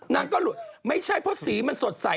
นางก็หลุดไม่ใช่เพราะสีมันสดใส